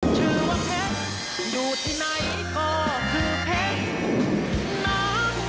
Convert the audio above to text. ชื่อว่าเพชรอยู่ที่ไหนก็คือเพชรน้ำ